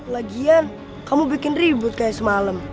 lagian kamu bikin ribut kayak semalam